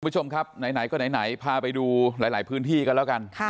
คุณผู้ชมครับไหนก็ไหนพาไปดูหลายพื้นที่กันแล้วกัน